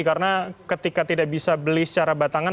karena ketika tidak bisa beli secara batangan